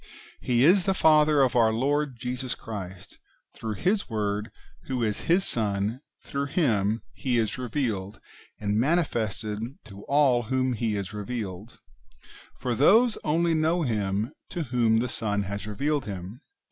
He is the Father of our Lord Jesus Christ: through His Word, who is His Son, through Him He is revealed and manifested to all to whom He is revealed ; for those [only] know Him to whom the Son has revealed Him.